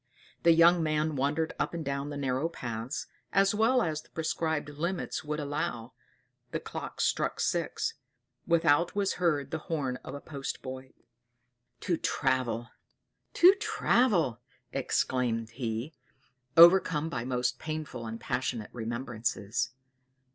The young man wandered up and down the narrow paths, as well as the prescribed limits would allow; the clock struck six; without was heard the horn of a post boy. "To travel! to travel!" exclaimed he, overcome by most painful and passionate remembrances.